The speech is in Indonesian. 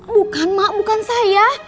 bukan mak bukan saya